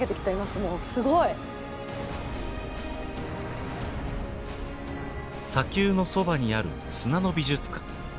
もうすごい！砂丘のそばにある砂の美術館。